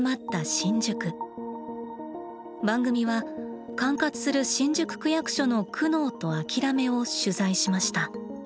番組は管轄する新宿区役所の「苦悩」と「あきらめ」を取材しました。